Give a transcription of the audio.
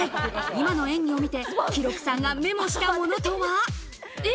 今の演技を見て記録さんがメモしたものとは？